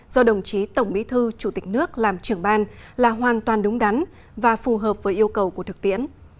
do đồng chí tổng bí thư chủ tịch nước làm trưởng ban là hoàn toàn đúng đắn và phù hợp với yêu cầu của thực tiễn